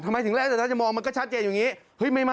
ทำไมถึงแล้วแต่ท่านจะมองมันก็ชัดเจนอยู่อย่างนี้